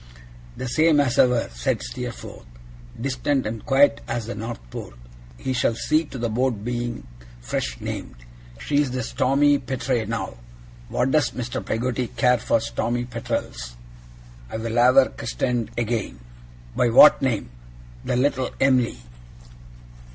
'The same as ever,' said Steerforth. 'Distant and quiet as the North Pole. He shall see to the boat being fresh named. She's the "Stormy Petrel" now. What does Mr. Peggotty care for Stormy Petrels! I'll have her christened again.' 'By what name?' I asked. 'The "Little Em'ly".